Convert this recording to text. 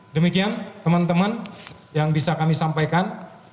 demikian teman teman yang bisa kami sampaikan